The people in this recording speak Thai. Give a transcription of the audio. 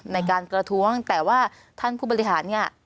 ในการประท้วงแต่ว่าท่านผู้บริหารเนี่ย